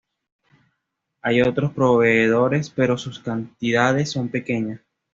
Hay otros proveedores, pero sus cantidades son pequeñas.